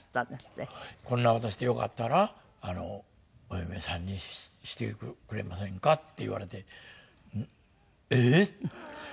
「こんな私でよかったらお嫁さんにしてくれませんか」って言われて「ええー！なっええー！？」